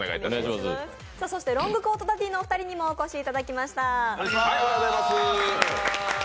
ロングコートダディのお二人にもお越しいただきました。